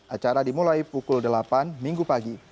acara dimulai pukul delapan minggu pagi